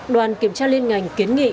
đoàn kiểm tra liên ngành kiến nghị